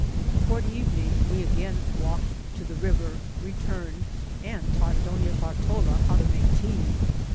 Toward evening we again walked to the river, re turned, and taught Donna Bartola how to make tea.